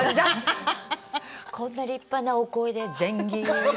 こんな立派なお声で「前戯」。